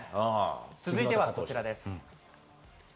続いてはこちらです。